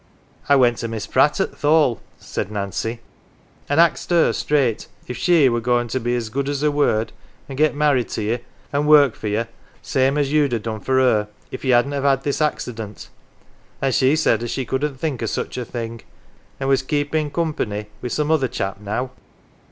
' I went to Miss Pratt at th' Hall,"" said Nancy, " and axed her straight if she were goin 1 to be's good as her word an" 1 get married to ye, an' work for ye, same as you'd ha' done for her, if ye hadn't have had this accident. An' she said as she couldn't think o' such a thing an' was keepin' company wi' some other chap now."